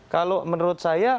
kalau menurut saya